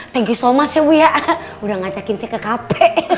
thank you so much ya bu udah ngajakin saya ke kp